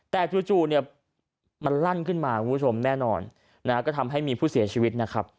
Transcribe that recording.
แต่จู่มันลั่นขึ้นมาก็ทำให้มีผู้เสียชีวิต